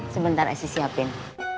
sebentar saya siapin